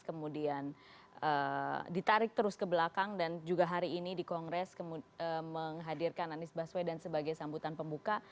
kemudian ditarik terus ke belakang dan juga hari ini di kongres menghadirkan anies baswedan sebagai sambutan pembuka